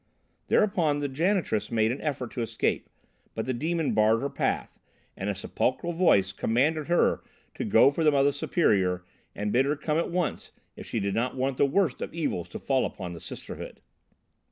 Thereupon the janitress made an effort to escape, but the demon barred her path, and in a sepulchral voice commanded her to go for the Mother Superior and bid her come at once, if she did not want the worst of evils to fall upon the sisterhood.